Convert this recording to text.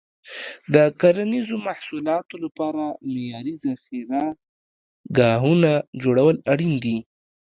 د کرنیزو محصولاتو لپاره معیاري ذخیره ګاهونه جوړول اړین دي.